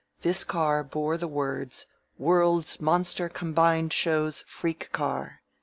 This car bore the words, "World's Monster Combined Shows Freak Car."